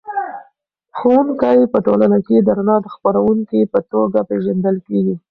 ښوونکی په ټولنه کې د رڼا د خپروونکي په توګه پېژندل کېږي.